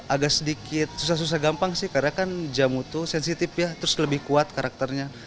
agak sedikit susah susah gampang sih karena kan jamu tuh sensitif ya terus lebih kuat karakternya